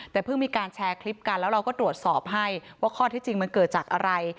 แต่เพิ่งมีการแชร์คลิปกันแล้วเราก็ตรวจสอบให้ว่าข้อที่จริงมันเกิดจากอะไร